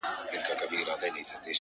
ستا د يادو لپاره _